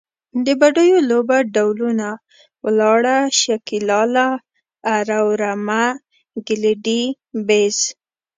د بډیو لوبو ډولونه، ولاړه، شکیلاله، اره او رمه، ګیلدي، بیز …